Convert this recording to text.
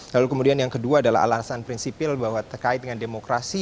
lalu kemudian yang kedua adalah alasan prinsipil bahwa terkait dengan demokrasi